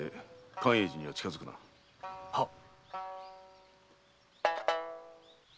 はっ。